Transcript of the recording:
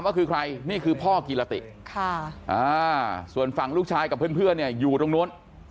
ว่าคือใครนี่คือพ่อกิรติส่วนฝั่งลูกชายกับเพื่อนเนี่ยอยู่ตรงนู้น